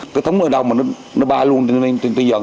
cái thúng ở đâu mà nó ba luôn trên tư dọn trên đấy